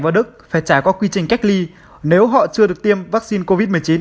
vào đức phải trải qua quy trình cách ly nếu họ chưa được tiêm vaccine covid